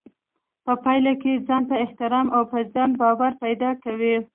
په پايله کې ځانته احترام او په ځان باور پيدا کوي.